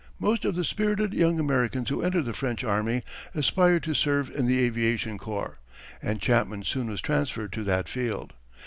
Most of the spirited young Americans who entered the French Army aspired to serve in the aviation corps, and Chapman soon was transferred to that field.